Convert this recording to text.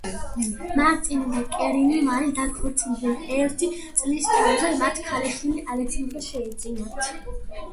მარტინი და კერინი მალე დაქორწინდნენ, ერთი წლის თავზე მათ ქალიშვილი ალექსანდრა შეეძინათ.